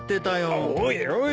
おいおい。